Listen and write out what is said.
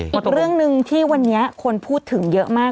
อีกเรื่องหนึ่งที่วันนี้คนพูดถึงเยอะมาก